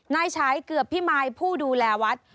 นายฉายเกือบพิมายผู้ดูแลวัด